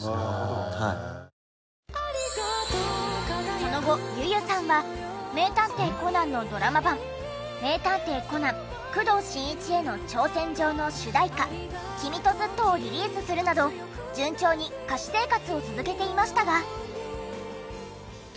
その後ｙｕ−ｙｕさんは『名探偵コナン』のドラマ版『名探偵コナン工藤新一への挑戦状』の主題歌『君とずっと』をリリースするなど順調に歌手生活を続けていましたが。